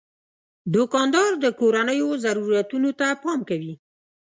دوکاندار د کورنیو ضرورتونو ته پام کوي.